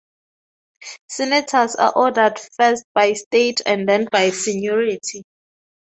Senators are ordered first by state, and then by seniority.